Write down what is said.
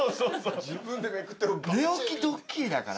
寝起きドッキリだから。